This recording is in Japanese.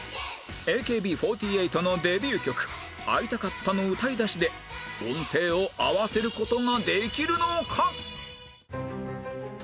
ＡＫＢ４８ のデビュー曲『会いたかった』の歌い出しで音程を合わせる事ができるのか？